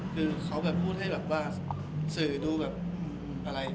คือเขาแบบพูดให้แบบว่าสื่อดูแบบอะไร